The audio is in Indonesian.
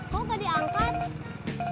kok gak diangkat